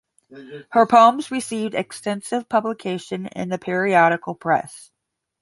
Her poems received extensive publication in the periodical press.